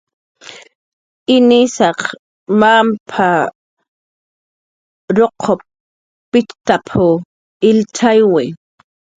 "Inisaq mamap"" ruq p'itxt""ap illtzakyi"